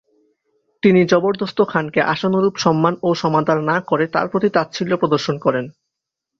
তিনি জবরদস্ত খানকে আশানুরূপ সম্মান ও সমাদার না করে তার প্রতি তাচ্ছিল্য প্রদর্শন করেন।